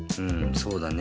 そうだね。